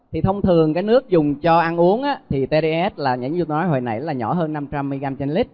thì thông thường cái nước dùng cho ăn uống thì tds là nhãn như nói hồi nãy là nhỏ hơn năm trăm linh mg trên lít